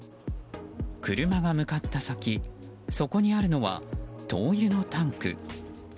車が向かった先、そこにあるのは灯油のタンク。